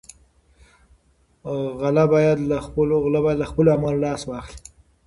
غله باید له خپلو اعمالو لاس واخلي.